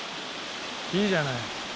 いいじゃない。